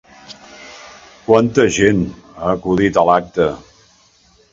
Quanta gent ha acudit a l'acte?